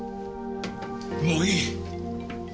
もういい！